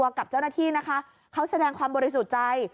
กับเจ้าหน้าที่นะคะเขาแสดงความบริสุทธิ์ใจ